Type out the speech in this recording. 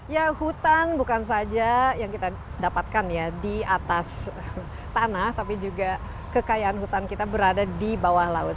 ya hutan bukan saja yang kita dapatkan ya di atas tanah tapi juga kekayaan hutan kita berada di bawah laut